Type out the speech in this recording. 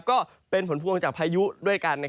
ก็เป็นผลพวงจากพายุด้วยกัน